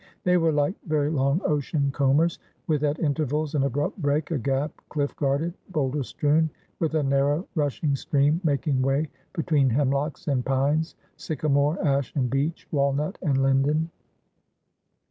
They were like very long ocean combers, with at intervals an abrupt break, a gap, diflf guarded, boulder strewn, with a narrow rush ing stream making way between hemlocks and pines, sycamore, ash and beech, walnut and linden.